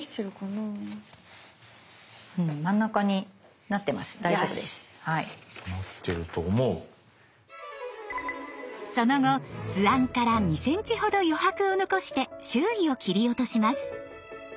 その後図案から２ｃｍほど余白を残して周囲を切り落とします。